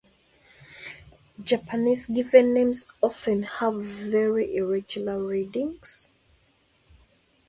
Japanese given names often have very irregular readings.